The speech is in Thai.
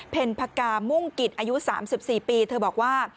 พกามุ่งกิจอายุ๓๔ปีเธอบอกว่า